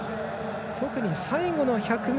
特に最後の１００ｍ